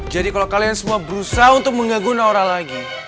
jadi kalau kalian semua berusaha untuk mengganggu nora lagi